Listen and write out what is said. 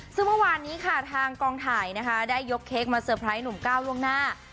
ซึ่งเมื่อวานนี้ค่ะทางกองถ่ายนะคะได้ยกเค้กมาเตอร์ไพรส์หนุ่มก้าวล่วงหน้า